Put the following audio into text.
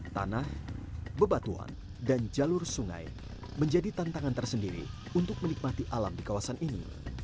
tanah bebatuan dan jalur sungai menjadi tantangan tersendiri untuk menikmati alam di kawasan ini